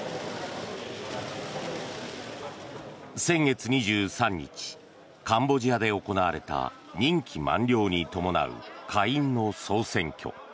先月２３日カンボジアで行われた任期満了に伴う下院の総選挙。